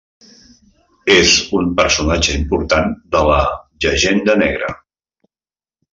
És un personatge important de la "llegenda negra".